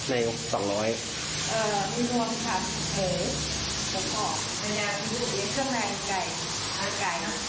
มีมัวผัดโผล่ปกป้องมัญญาณมีบุตรเลี้ยงเครื่องแรงอีกไก่